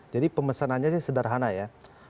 jadi pemesanannya sih sederhana ya